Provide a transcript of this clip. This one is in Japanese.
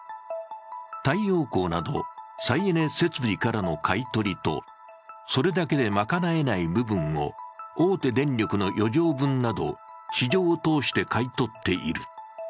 太陽光など再エネ設備からの買い取りとそれだけでまかなえない部分を大手電力の余剰分など市場を通して買い取っている。